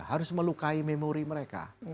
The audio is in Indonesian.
harus melukai memori mereka